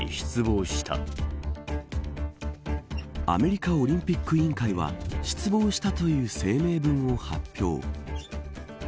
アメリカオリンピック委員会は失望したという声明文を発表。